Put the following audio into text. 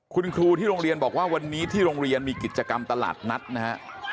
คุณครูที่โรงเรียนบอกว่าวันนี้ที่โรงเรียนมีกิจกรรมตลาดนัดนะฮะ